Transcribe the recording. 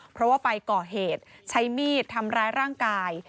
เพราะว่าไปก่อเหตุใช้มีดทำร้ายร่างกาย